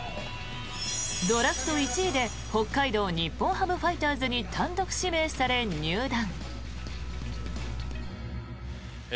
ドラフト１位で北海道日本ハムファイターズに単独指名され、入団。